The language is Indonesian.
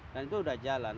dan itu sudah jalan